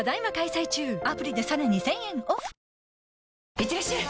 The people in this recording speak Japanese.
いってらっしゃい！